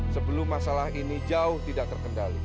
sebelum masalah ini jauh tidak terkendali